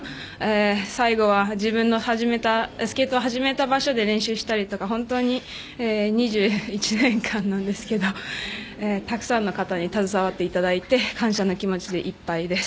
最後は自分のスケートを始めた場所で練習したり２１年間なんですがたくさんの方に携わっていただいて感謝の気持ちでいっぱいです。